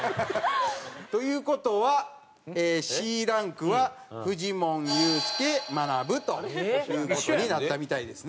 という事はＣランクはフジモンユースケまなぶという事になったみたいですね。